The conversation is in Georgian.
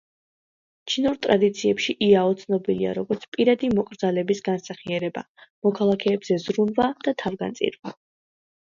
ჩინურ ტრადიციებში იაო ცნობილია როგორც პირადი მოკრძალების განსახიერება, მოქალაქეებზე ზრუნვა და თავგანწირვა.